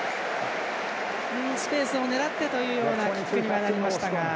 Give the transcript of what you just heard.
スペースを狙ってというようなキックにはなりましたが。